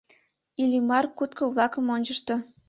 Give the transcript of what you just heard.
Иллимар кутко-влакым ончышто.